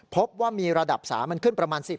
พบว่ามีระดับ๓มันขึ้นประมาณ๑๐